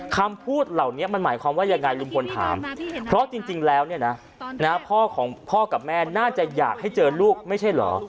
คำพูดเหล่านี้มันหมายความว่ายังไงลุงพลถามเพราะจริงแล้วเนี่ยนะพ่อของพ่อกับแม่น่าจะอยากให้เจอลูกไม่ใช่เหรอ